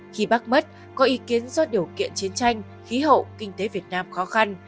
khi bác mất có ý kiến do điều kiện chiến tranh khí hậu kinh tế việt nam khó khăn